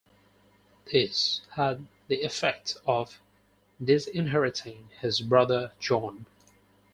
This had the effect of disinheriting his brother John.